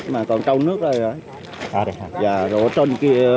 mà còn trâu nước đây